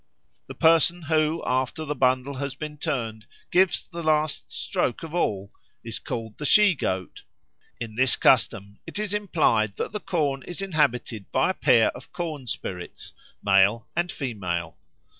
The person who, after the bundle has been turned, gives the last stroke of all, is called the She goat. In this custom it is implied that the corn is inhabited by a pair of corn spirits, male and female.